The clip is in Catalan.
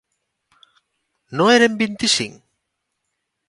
No eren vint-i-cinc?